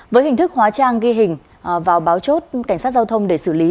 với hình thức hóa trang ghi hình vào báo chốt cảnh sát giao thông để xử lý